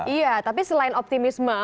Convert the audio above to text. iya tapi selain optimisme